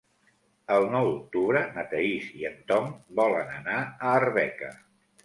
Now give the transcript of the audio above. El nou d'octubre na Thaís i en Tom volen anar a Arbeca.